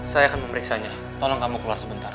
saya akan memeriksanya tolong kamu keluar sebentar